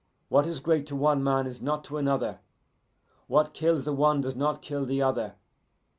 What is great to one man is not to another. What kills the one does not kill the other.